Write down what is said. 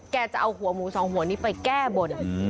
จะเอาหัวหมูสองหัวนี้ไปแก้บน